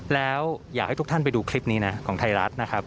แล้วอยากให้ทุกท่านไปดูคลิปนี้นะของไทยรัฐนะครับ